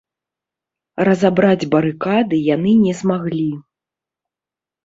Разабраць барыкады яны не змаглі.